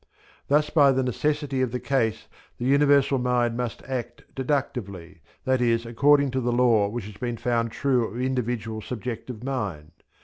Thus by the necessity of the case the Universal Mind must act deductively, that is, according to the law which has been found true of individual subjective mind.